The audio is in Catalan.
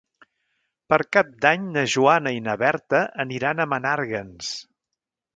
Per Cap d'Any na Joana i na Berta aniran a Menàrguens.